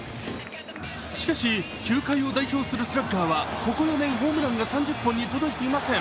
しかし、球界を代表するスラッガーはここ４年、ホームランが３０本に届いていません。